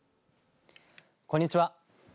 こんにちは。